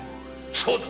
そうだ！